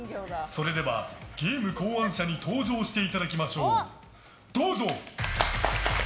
それでは、ゲーム考案者に登場していただきましょう。